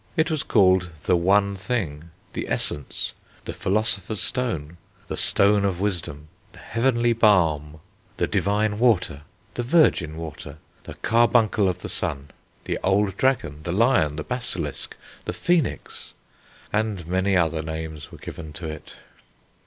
It was called _the one thing, the essence, the philosopher's stone, the stone of wisdom, the heavenly balm, the divine water, the virgin water, the carbuncle of the sun, the old dragon, the lion, the basilisk, the phoenix_; and many other names were given to it.